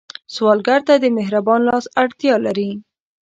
سوالګر ته د مهربان لاس اړتیا لري